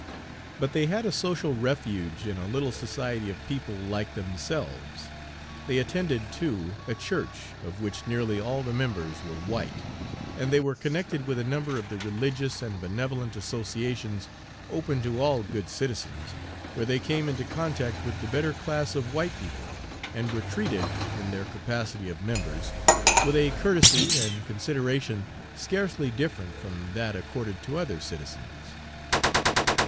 But they had a social refuge in a little society of people like themselves; they attended, too, a church, of which nearly all the members were white, and they were connected with a number of the religious and benevolent associations open to all good citizens, where they came into contact with the better class of white people, and were treated, in their capacity of members, with a courtesy and consideration scarcely different from that accorded to other citizens.